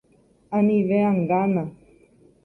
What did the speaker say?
Anive angána